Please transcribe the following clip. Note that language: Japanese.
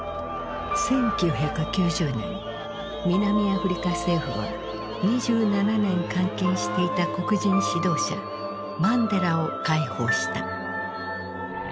１９９０年南アフリカ政府は２７年監禁していた黒人指導者マンデラを解放した。